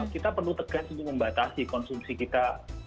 kita perlu tegas untuk membatasi konsumsi kita